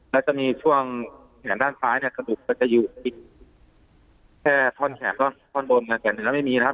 แล้วจะมีช่วงแขนด้านซ้ายเนี่ยกระดูกก็จะอยู่แค่ท่อนแขนท่อนท่อนบนอย่างแบบนี้แล้วไม่มีครับ